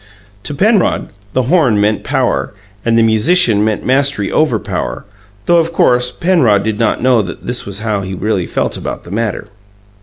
To Penrod, the horn meant power, and the musician meant mastery over power, though, of course, Penrod did not know that this was how he really felt about the matter.